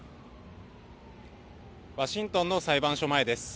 ワシントンの裁判所前です。